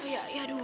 ya ya aduh